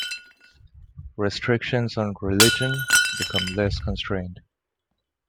Restrictions on religion became less constrained.